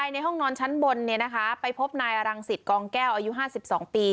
ในห้องนอนชั้นบนเนี่ยนะคะไปพบนายอรังสิตกองแก้วอายุห้าสิบสองปี